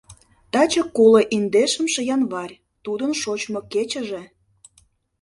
Таче коло индешымше январь, тудын шочмо кечыже.